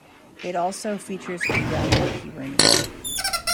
It also features a young Mickey Rooney.